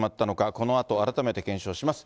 このあと、改めて検証します。